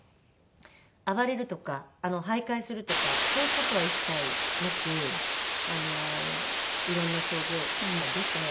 暴れるとか徘徊するとかそういう事は一切なく色んな症状は出て。